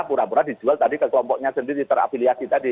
pura pura dijual tadi ke kompoknya sendiri terapiliasi tadi